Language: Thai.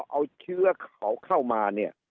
เอาเชื้อเขาเข้ามาเนี่ย